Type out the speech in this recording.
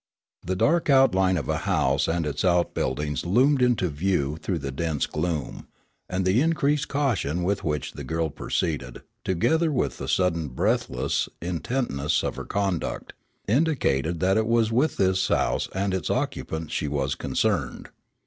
The dark outline of a house and its outbuildings loomed into view through the dense gloom; and the increased caution with which the girl proceeded, together with the sudden breathless intentness of her conduct, indicated that it was with this house and its occupants she was concerned.